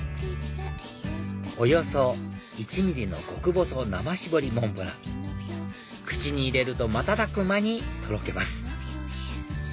およそ１ｍｍの極細生絞りモンブラン口に入れると瞬く間にとろけます